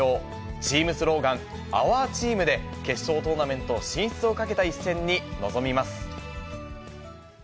チームスローガン、ＯＵＲＴＥＡＭで、決勝トーナメント進出をかけた一戦に臨みます。